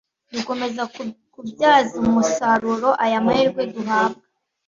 dukomeza kubyaza umusaruro aya mahirwe duhabwa